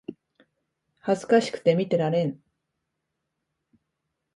恥ずかしくて見てられん